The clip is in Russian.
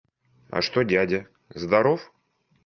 А что дядя? здоров?